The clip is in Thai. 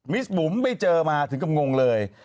มิสบุ๋มไม่เจอมาถึงกำงงเลย